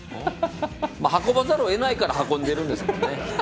運ばざるをえないから運んでるんですもんね。